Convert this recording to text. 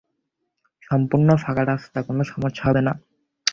সম্পুর্ন ফাঁকা রাস্তা, কোন সমস্যা হবে না।